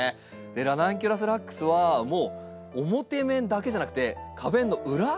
ラナンキュラスラックスは表面だけじゃなくて花弁の裏側も美しい。